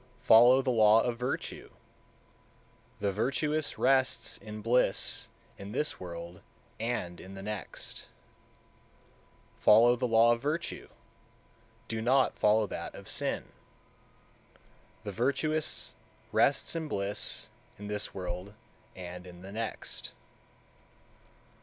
Follow the law of virtue! The virtuous rests in bliss in this world and in the next. 169. Follow the law of virtue; do not follow that of sin. The virtuous rests in bliss in this world and in the next.